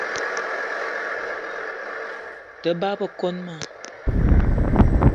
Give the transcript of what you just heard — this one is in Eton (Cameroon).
Te bagbe koni ma.